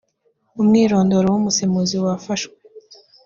umwirondoro w umusemuzi wafashwe